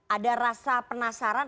ada rasa penasaran